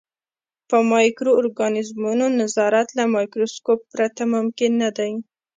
په مایکرو ارګانیزمونو نظارت له مایکروسکوپ پرته ممکن نه دی.